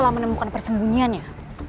kau bisa menemukan persembunyiannya